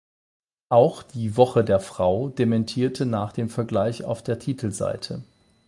Auch die "Woche der Frau" dementierte nach dem Vergleich auf der Titelseite.